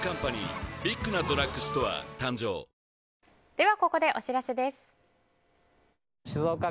では、ここでお知らせです。